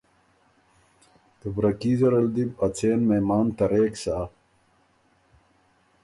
که برکي زر ال دی بو ا څېن مهمان ترېک سَۀ